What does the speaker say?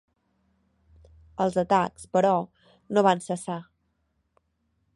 Els atacs, però, no van cessar.